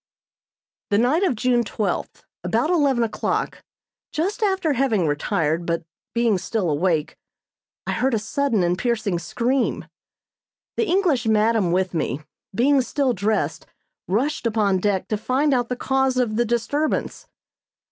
The night of June twelfth, about eleven o'clock, just after having retired, but being still awake, I heard a sudden and piercing scream. The English madam with me, being still dressed, rushed upon deck to find out the cause of the disturbance.